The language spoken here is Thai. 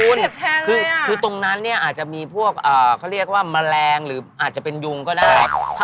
คือตรงนั้นเนี่ยอาจจะมีพวกเขาเรียกว่าแมลงหรืออาจจะเป็นยุงก็ได้